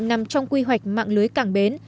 nằm trong quy hoạch mạng lưới cảng bến